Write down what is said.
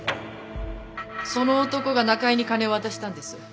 その男が中井に金を渡したんです